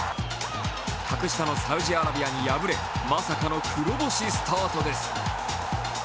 格下のサウジアラビアに敗れまさかの黒星スタートです。